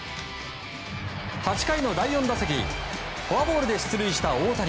８回の第４打席フォアボールで出塁した大谷。